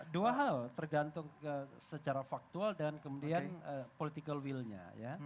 dua hal tergantung secara faktual dan kemudian political will nya ya